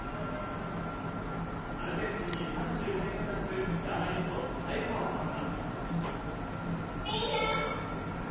アルゼンチンに３５年暮らす、ジャーナリストの相川さんは。